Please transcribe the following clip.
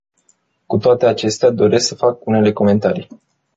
Cu toate acestea, doresc să fac unele comentarii.